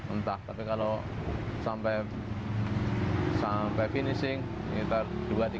entah tapi kalau sampai finishing sekitar dua tiga